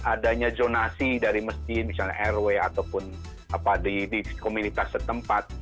adanya zonasi dari masjid misalnya rw ataupun di komunitas setempat